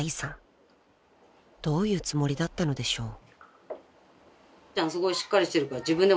［どういうつもりだったのでしょう］